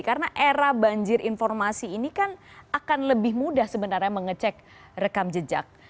karena era banjir informasi ini kan akan lebih mudah sebenarnya mengecek rekam jejak